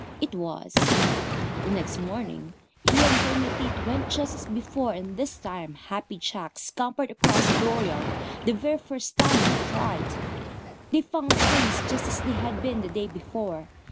It was. The next morning he and Tommy Tit went just as before, and this time Happy Jack scampered across the dooryard the very first time he tried. They found things just as they had been the day before.